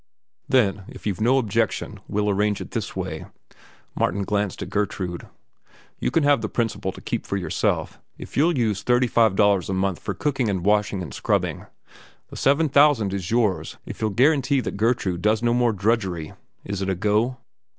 "Then, if you've no objection, we'll arrange it this way." Martin glanced at Gertrude. "You can have the principal to keep for yourself, if you'll use the thirty five dollars a month for cooking and washing and scrubbing. The seven thousand is yours if you'll guarantee that Gertrude does no more drudgery. Is it a go?"